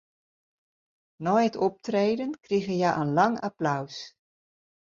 Nei it optreden krigen hja in lang applaus.